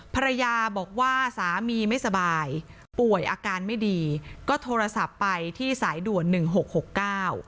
ภรรยาบอกว่าสามีไม่สบายป่วยอาการไม่ดีก็โทรศัพท์ไปที่สายด่วนหนึ่งหกหกเก้า